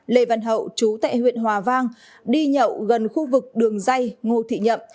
lê văn hậu chú tại huyện hòa vang đi nhậu gần khu vực đường dây ngô thị nhậm